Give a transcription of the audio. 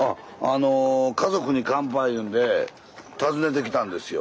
「家族に乾杯」いうんで訪ねてきたんですよ。